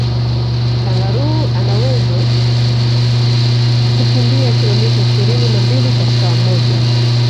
kangaroo anawezo kukimbia kilometa ishirini na mbili kwa saa moja